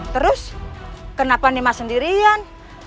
terus kenapa nimas sendirian